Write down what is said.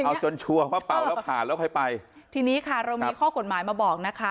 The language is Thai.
เอาจนชัวร์ว่าเป่าแล้วขาดแล้วใครไปทีนี้ค่ะเรามีข้อกฎหมายมาบอกนะคะ